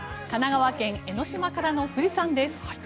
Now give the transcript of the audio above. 神奈川県・江の島からの富士山です。